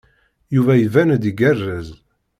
Yuba iban-d igerrez.